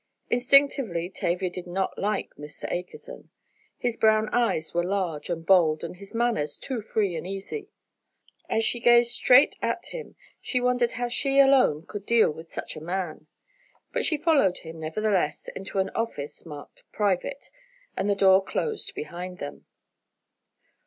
Instinctively Tavia did not like Mr. Akerson. His brown eyes were large and bold, and his manners too free and easy. As she gazed straight at him she wondered how she, alone, could deal with such a man. But she followed him, nevertheless, into an office marked "Private" and the door closed behind them.